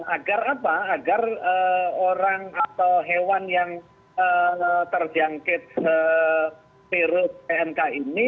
agar apa agar orang atau hewan yang terjangkit virus pmk ini